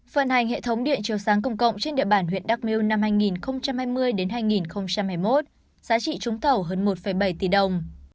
phần hành hệ thống điện chiếu sáng công cộng trên địa bàn huyện đắk miêu năm hai nghìn hai mươi hai nghìn hai mươi một giá trị trúng thầu hơn một bảy tỷ đồng